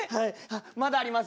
まだあります。